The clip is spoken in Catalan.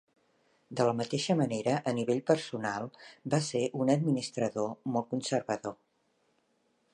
De la mateixa manera a nivell personal, va ser un administrador molt conservador.